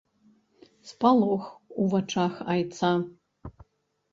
Спалох у вачах айца.